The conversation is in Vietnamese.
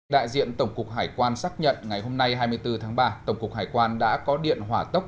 đại diện tổng cục hải quan xác nhận ngày hôm nay hai mươi bốn tháng ba tổng cục hải quan đã có điện hỏa tốc